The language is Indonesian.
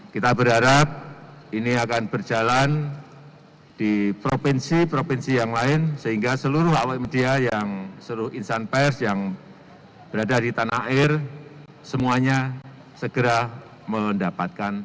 kita berharap ini akan berjalan di provinsi provinsi yang lain sehingga seluruh awak media yang seluruh insan pers yang berada di tanah air semuanya segera mendapatkan